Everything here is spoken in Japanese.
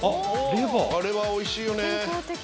あれはおいしいよね。